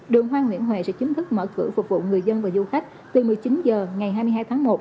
đường hoa nguyễn huệ sẽ chính thức mở cửa phục vụ người dân và du khách từ một mươi chín h ngày hai mươi hai tháng một